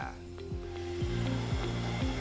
sebelumnya perusahaan ini diperoleh oleh pemerintah jepang